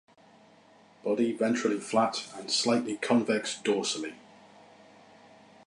Body ventrally flat and slightly convex dorsally.